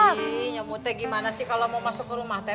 nih nyamute gimana sih kalo mau masuk ke rumah teh